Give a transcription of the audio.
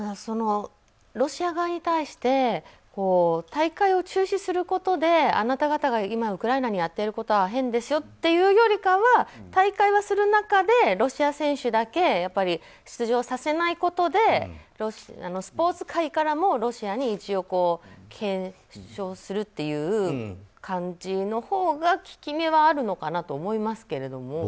ロシア側に対して大会を中止することであなた方が今ウクライナにやっていることは変ですよというよりかは大会はする中でロシア選手だけ出場させないことでスポーツ界からもロシアに検証するという感じのほうが効き目はあるのかなと思いますけれども。